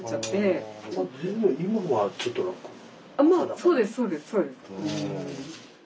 そうですそうです。